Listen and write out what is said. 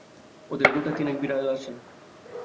ওদের গোটা তিনেক বিড়াল আছে।